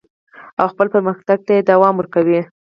او خپل پرمختګ ته دوام ورکوي.